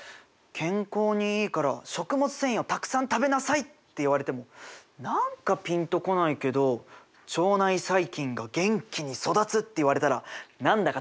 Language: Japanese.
「健康にいいから食物繊維をたくさん食べなさい」って言われても何かピンと来ないけど「腸内細菌が元気に育つ」って言われたらなんだか食べたくなってくるね。